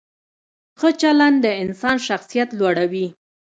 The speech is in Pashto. ښه چلند د انسان شخصیت لوړوي.